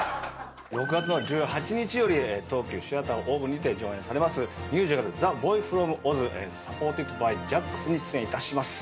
６月１８日より東急シアターオーブにて上演されますミュージカル『ＴＨＥＢＯＹＦＲＯＭＯＺｓｕｐｐｏｒｔｅｄｂｙＪＡＣＣＳ』に出演いたします。